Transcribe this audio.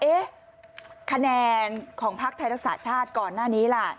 คะแนนของพักไทยรักษาชาติก่อนหน้านี้ล่ะ